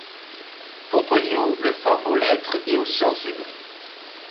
Pomponio le forme aux lettres et aux sciences humaines.